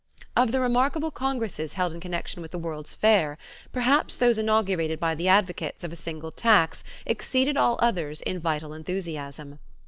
Of the remarkable congresses held in connection with the World's Fair, perhaps those inaugurated by the advocates of single tax exceeded all others in vital enthusiasm.